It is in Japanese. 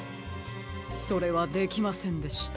それはできませんでした。